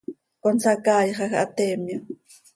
Consacaaixaj ha teemyo.